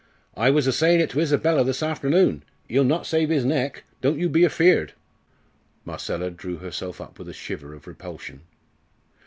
I was a sayin' it to Isabella this afternoon ee'll not save 'is neck, don't you be afeared." Marcella drew herself up with a shiver of repulsion.